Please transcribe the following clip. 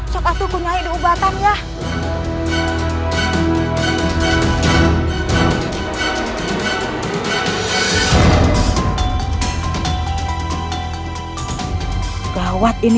sekarang aku akan mencari ubatan nya